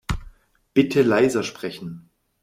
Bitte leiser sprechen.